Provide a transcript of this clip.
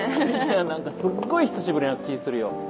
何かすっごい久しぶりな気するよ。